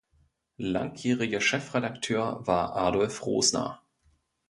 Langjähriger Chefredakteur war Adolf Rosner.